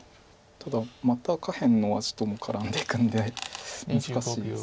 ただまた下辺の味とも絡んでいくんで難しいです。